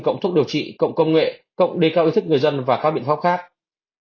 cộng thuốc điều trị cộng công nghệ cộng đề cao ý thức người dân và các biện pháp khác